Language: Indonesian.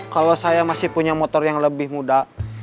kalau saya masih punya motor yang lebih muda